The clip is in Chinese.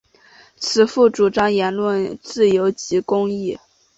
此赋主张言论自由及公义。